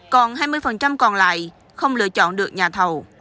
còn hai mươi còn lại không lựa chọn được nhà thầu